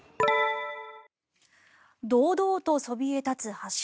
堂々とそびえ立つ柱。